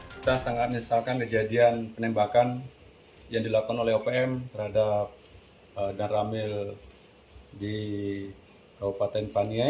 kita sangat menyesalkan kejadian penembakan yang dilakukan oleh opm terhadap dan ramil di kabupaten paniai